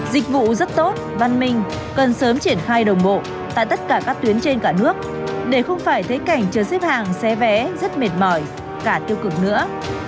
dịch vụ rất tốt văn minh cần sớm triển khai đồng bộ tại tất cả các tuyến trên cả nước để không phải thấy cảnh chờ xếp hàng xé vé rất mệt mỏi cả tiêu cực nữa